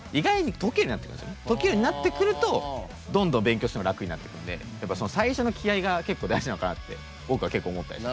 解けるようになってくるとどんどん勉強すると楽になってくるので最初の気合いが結構大事なのかなって僕は思います。